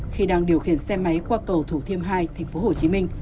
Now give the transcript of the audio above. khi đang điều khiển xe máy qua cầu thủ thiêm hai tp hcm